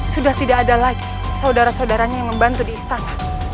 sudah tidak ada lagi saudara saudaranya yang membantu di istana